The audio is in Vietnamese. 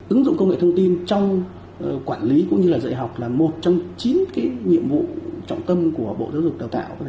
ứng dụng công nghệ thông tin trong quản lý cũng như là dạy học là một trong chín nhiệm vụ trọng tâm của bộ giáo dục đào tạo